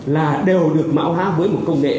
là đều được mạo hát với một công nghệ